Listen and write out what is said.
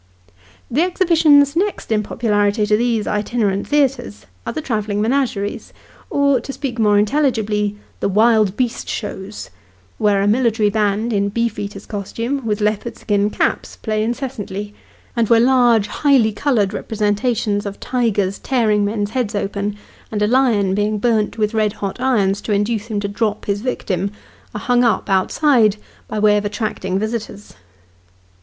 The exhibitions next in popularity to these itinerant theatres are the travelling menageries, or, to speak more intelligibly, tho " Wild beast shows," where a military band in beefeaters' costume, with leopard skin caps, play incessantly ; and where large highly coloured representations of tigers tearing men's heads open, and a lion being burnt with red hot irons to induce him to drop his victim, are hung up outside, by way of attracting visitors.